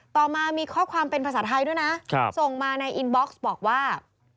ต่อมามีข้อความเป็นภาษาไทยด้วยนะส่งมาในอินบ็อกซ์บอกว่า